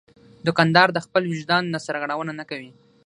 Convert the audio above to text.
دوکاندار د خپل وجدان نه سرغړونه نه کوي.